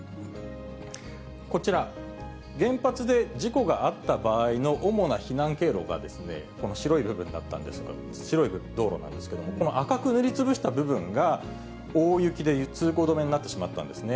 こちら、原発で事故があった場合の主な避難経路がですね、この白い部分だったんですが、白い道路なんですけど、この赤く塗りつぶした部分が大雪で通行止めになってしまったんですね。